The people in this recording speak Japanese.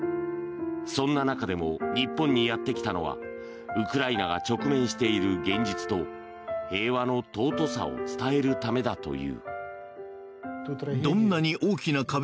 そんな中でも日本にやってきたのはウクライナが直面している現実と平和の尊さを伝えるためだという。